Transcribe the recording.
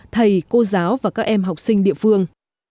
thầy cô giáo và các em học sinh địa phương